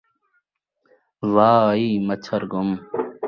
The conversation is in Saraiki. واء آئی ، مچھر گم